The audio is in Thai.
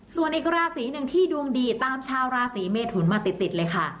ส่วนอีกราศีหนึ่งที่ดวงดีตามชาวราศีเมทุนมาติดเลยค่ะ